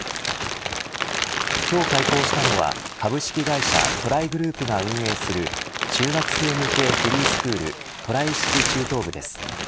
今日開校したのは株式会社トライグループが運営する中学生向けフリースクールトライ式中等部です。